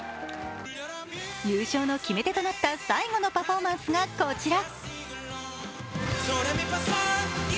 優勝の決め手となった最後のパフォーマンスがこちら。